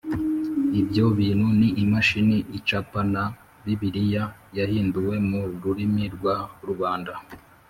ibyo bintu ni imashini icapa na bibiliya yahinduwe mu rurimi rwa rubanda.